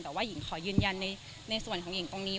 แต่ว่าหญิงขอยืนยันในส่วนของหญิงตรงนี้